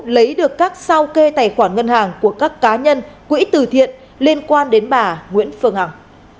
lấy được các sao kê tài khoản ngân hàng của các cá nhân quỹ từ thiện liên quan đến bà nguyễn phương hằng